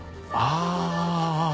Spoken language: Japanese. ああ。